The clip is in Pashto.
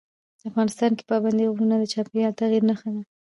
افغانستان کې پابندی غرونه د چاپېریال د تغیر نښه ده.